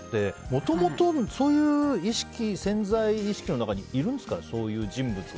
もともとそういう潜在意識の中にいるんですかね、そういう人物が。